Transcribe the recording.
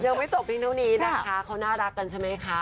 เดี๋ยวไม่จบนิดนึงนี้นะคะเขาน่ารักกันใช่ไหมคะ